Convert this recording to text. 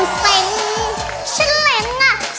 ฉันเหล่งอ่ะฉันเหล่งกล้าตายอ่ะ